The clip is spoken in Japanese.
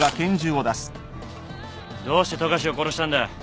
どうして富樫を殺したんだ？